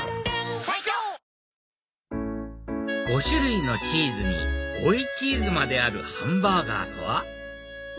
５種類のチーズに追いチーズまであるハンバーガーとは？